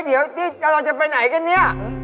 เดี๋ยวเราจะไปไหนกันเนี่ย